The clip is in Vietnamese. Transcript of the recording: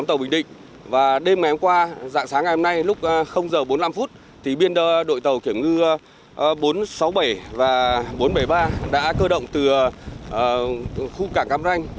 từ giờ bốn mươi năm phút biên đội tàu kiểm ngư bốn trăm sáu mươi bảy và bốn trăm bảy mươi ba đã cơ động từ khu cảng cám ranh